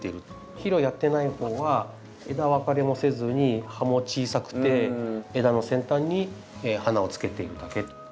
肥料をやっていない方は枝分かれもせずに葉も小さくて枝の先端に花をつけているだけと。